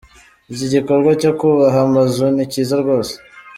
Iki gikorwa cyo kubaha amazu ni cyiza rwose.